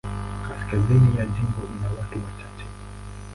Kaskazini ya jimbo ina watu wachache.